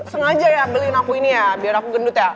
sengaja ya beliin aku ini ya biar aku gendut ya